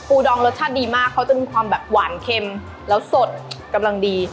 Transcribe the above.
ดองรสชาติดีมากเขาจะมีความแบบหวานเค็มแล้วสดกำลังดี